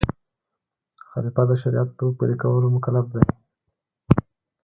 خلیفه د شریعت په پلي کولو مکلف دی.